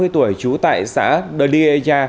ba mươi tuổi chú tại xã đời điê gia